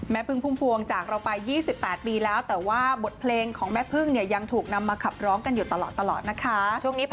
พึ่งพุ่มพวงจากเราไป๒๘ปีแล้วแต่ว่าบทเพลงของแม่พึ่งเนี่ยยังถูกนำมาขับร้องกันอยู่ตลอดนะคะ